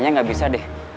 kayaknya gak bisa deh